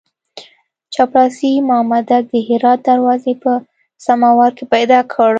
چپړاسي مامدک د هرات دروازې په سماوار کې پیدا کړ.